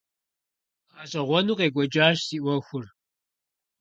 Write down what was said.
ГъэщӀэгъуэну къекӀуэкӀащ си Ӏуэхур.